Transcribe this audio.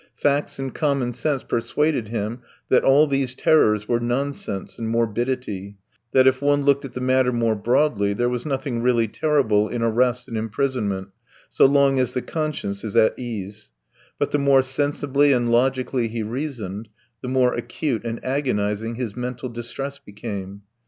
Facts and common sense persuaded him that all these terrors were nonsense and morbidity, that if one looked at the matter more broadly there was nothing really terrible in arrest and imprisonment so long as the conscience is at ease; but the more sensibly and logically he reasoned, the more acute and agonizing his mental distress became.